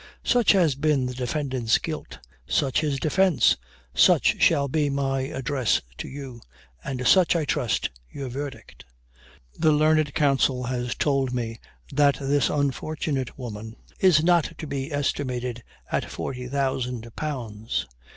Such has been the defendant's guilt such his defence such shall be my address to you and such, I trust, your verdict. The learned counsel has told you that this unfortunate woman is not to be estimated at forty thousand pounds.